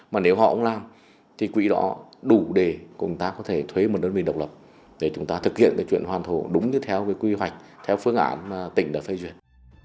mà nếu họ không làm thì quỹ đó đủ để chúng ta có thể thuê một đơn vị độc lập để chúng ta thực hiện cái chuyện hoàn thổ đúng như theo cái quy hoạch theo phương án mà tỉnh đã phê duyệt